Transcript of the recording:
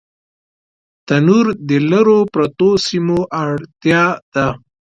تنور د لرو پرتو سیمو اړتیا ده